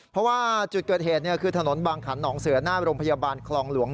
เพราะว่าจุดเกิดเหตุคือถนนบางขันหองเสือหน้าโรงพยาบาลคลองหลวง